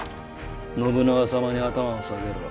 信長様に頭を下げろ。